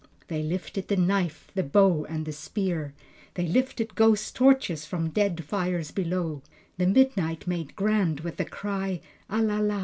They lifted the knife, the bow, and the spear, They lifted ghost torches from dead fires below, The midnight made grand with the cry "A la la."